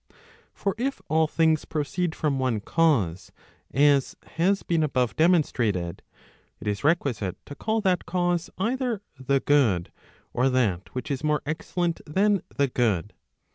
For if all things proceed from one cause, [as has been above demon¬ strated] it is requisite to call that cause either the good, or that which is more excellent than the good.